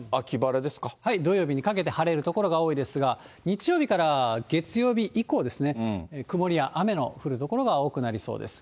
土曜日にかけて晴れる所が多いですが、日曜日から月曜日以降ですね、曇りや雨の降る所は多くなりそうです。